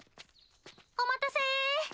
お待たせ。